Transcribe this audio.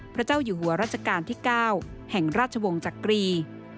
พระเจ้าอยู่หัวรัชกาลที่๙แห่งราชวงศ์จักรี